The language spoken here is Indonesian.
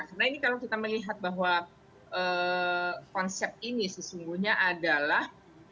karena ini kalau kita melihat bahwa konsep ini sesungguhnya adalah